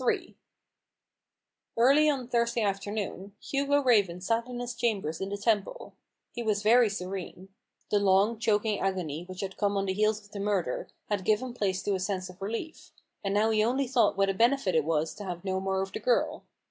III. Early on Thursday afternoon, Hugo Raven sat in his chambers in the Temple. He was very serene. The long, choking agony which had come on the heels of the murder, had given place to a sense of relief : and now he only thought what a benefit it was to have no more of the girl.